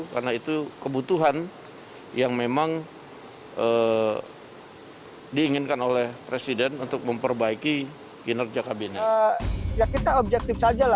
karena itu kebutuhan yang memang diinginkan oleh presiden untuk memperbaiki kinerja kabinet